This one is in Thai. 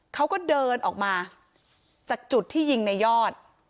เขาก็เดินออกมาจากจุดที่ยิงในยอด